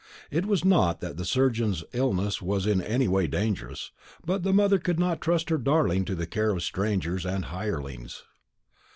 It was not that the surgeon's illness was in any way dangerous, but the mother could not trust her darling to the care of strangers and hirelings.